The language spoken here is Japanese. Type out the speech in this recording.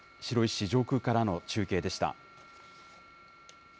白石市上空からの中継でした。